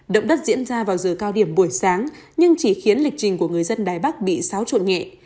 động đất diễn ra vào giờ cao điểm buổi sáng nhưng chỉ khiến lịch trình của người dân đài bắc bị xáo trộn nhẹ